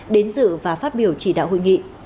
đến dự và phát biểu chỉ đạo hội nghị